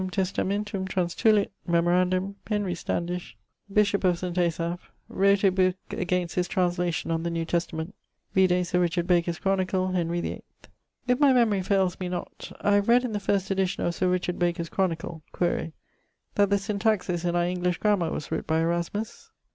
Novum Testamentum transtulit: memorandum Henry Standish, bishop of St. Asaph, wrote a booke against his Translation on the New Testament; vide Sir Richard Baker's Chronicle (Henry VIII). If my memorie failes me not, I have read in the first edition of Sir Richard Baker's Chronicle (quaere) that the Syntaxis in our English Grammar was writt by Erasmus.